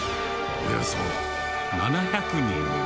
およそ７００人。